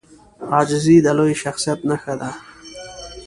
عاجزي د لوی شخصیت نښه ده.